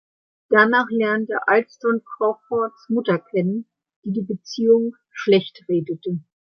Danach lernt Alston Crawfords Mutter kennen, die die Beziehung schlecht redet.